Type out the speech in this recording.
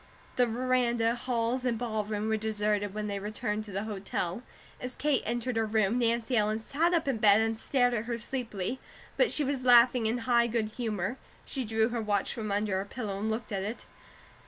The veranda, halls, and ballroom were deserted when they returned to the hotel. As Kate entered her room, Nancy Ellen sat up in bed and stared at her sleepily, but she was laughing in high good humour. She drew her watch from under her pillow and looked at it.